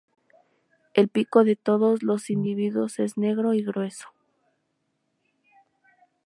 El pico de todos los individuos es negro y grueso.